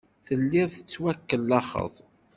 Telliḍ tettwakellaxeḍ.